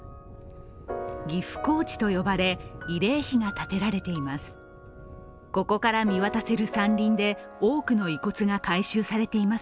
ギフ高地と呼ばれ慰霊碑が建てられています。